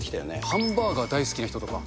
ハンバーガー大好きな人とか。